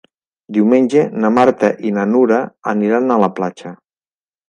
Diumenge na Marta i na Nura aniran a la platja.